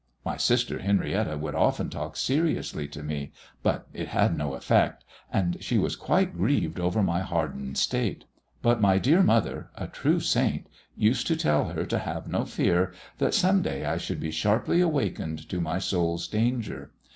My sister Henrietta would often talk seriously to me, but it had no effect, and she was quite grieved over my hardened state; but my dear mother, a true saint, used to tell her to have no fear, that some day I should be sharply awakened to my soul's danger.